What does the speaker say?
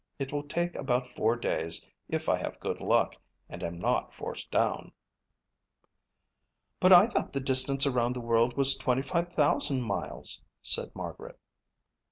It will take about four days if I have good luck and am not forced down." "But I thought the distance around the world was 25,000 miles," said Margaret.